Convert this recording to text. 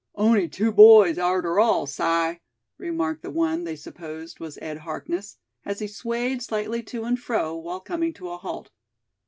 "On'y two boys arter all, Si," remarked the one they supposed was Ed Harkness, as he swayed slightly to and fro, while coming to a halt.